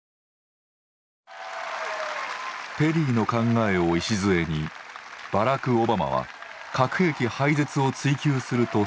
ペリーの考えを礎にバラク・オバマは核兵器廃絶を追求すると宣言。